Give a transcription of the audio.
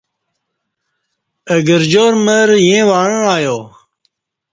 اہ گرجار مر ییں وعݩع ایا